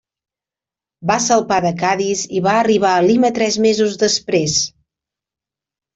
Va salpar de Cadis i va arribar a Lima tres mesos després.